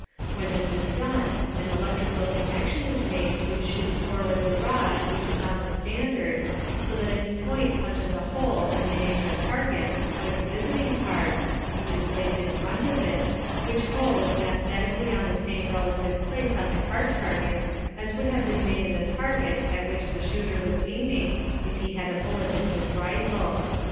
When this is done an electrical connection is made which shoots forward the rod which is on the standard, so that its point punches a hole in a miniature target like a visiting card, which is placed in front of it, which hole is mathematically on the same relative place on the card target as would have been made in the target at which the shooter was aiming if he had a bullet in his rifle.